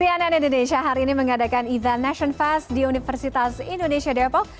cnn indonesia hari ini mengadakan event nation fest di universitas indonesia depok